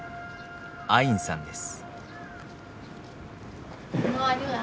アインさんです。